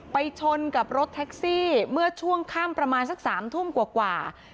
ชนกับรถแท็กซี่เมื่อช่วงค่ำประมาณสัก๓ทุ่มกว่า